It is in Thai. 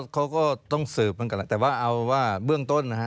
เขาก็ต้องสืบเหมือนกันแหละแต่ว่าเอาว่าเบื้องต้นนะฮะ